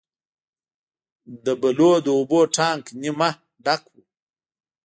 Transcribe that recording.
د بلو د اوبو ټانک نیمه ډک و.